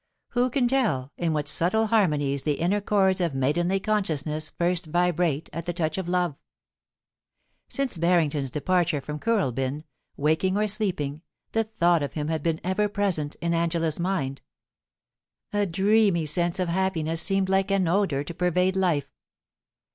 Who can tell in what subtle harmonies the inner cliords of maidenly consciousness first vibrate at the touch of love ? Since Barrington's departure from Kooralbyn, waking or sleeping, the thought of him had been ever present in Angela's mind. A dreamy sense of happiness seemed like an odour to pervade life.